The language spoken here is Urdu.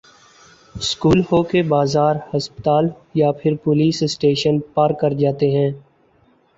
اسکول ہو کہ بازار ہسپتال یا پھر پولیس اسٹیشن پار کر جاتے ہیں